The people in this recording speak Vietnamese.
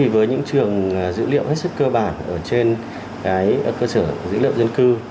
với những trường dữ liệu hết sức cơ bản trên cơ sở dữ liệu dân cư